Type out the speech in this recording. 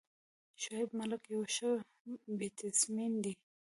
شعیب ملک یو ښه بیټسمېن دئ.